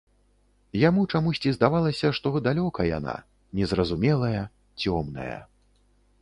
Яму чамусьці здавалася, што далёка яна, незразумелая, цёмная.